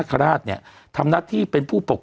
สวัสดีครับคุณผู้ชม